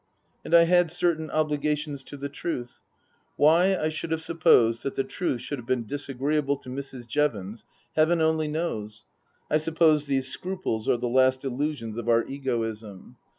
And I had certain obligations to the Truth. Why I should have supposed that the Truth should have been disagree able to Mrs. Jevons Heaven only knows. I suppose these scruples are the last illusions of our egoism.